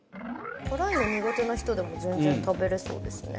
辛いの苦手な人でも全然食べれそうですね。